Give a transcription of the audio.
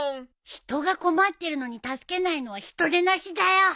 人が困ってるのに助けないのは人でなしだよ。